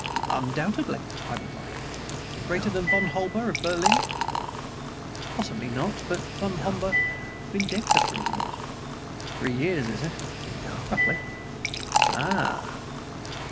"Undoubtedly," I replied. "Greater than Von Homber, of Berlin?" "Possibly not. But Von Homber has been dead for three years." "Three years, is it?" "Roughly." "Ah!"